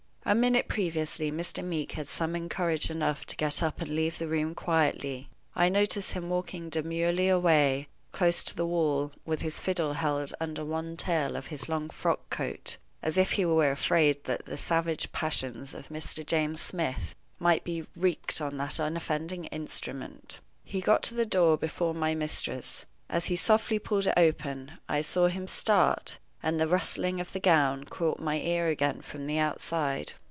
A minute previously Mr. Meeke had summoned courage enough to get up and leave the room quietly. I noticed him walking demurely away, close to the wall, with his fiddle held under one tail of his long frock coat, as if he was afraid that the savage passions of Mr. James Smith might be wreaked on that unoffending instrument. He got to the door before my mistress. As he softly pulled it open, I saw him start, and the rustling of the gown caught my ear again from the outside.